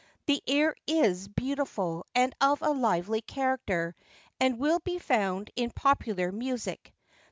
The air is beautiful, and of a lively character; and will be found in Popular Music.